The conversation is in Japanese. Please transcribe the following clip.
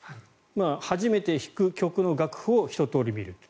初めて弾く曲の楽譜をひと通り見ると。